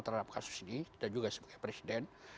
terhadap kasus ini dan juga sebagai presiden